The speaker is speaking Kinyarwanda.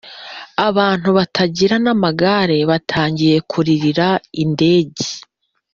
abantu badafite n'amagare batangiye kuririra indege,